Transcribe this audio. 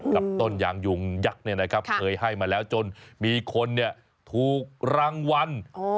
กับต้นยางยุงยักษ์เนี่ยนะครับเคยให้มาแล้วจนมีคนเนี่ยถูกรางวัล